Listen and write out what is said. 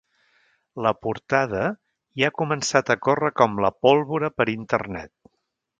La portada ja ha començat a córrer com la pólvora per internet.